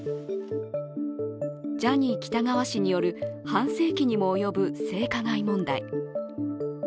ジャニー喜多川氏による半世紀にも及ぶ性加害問題。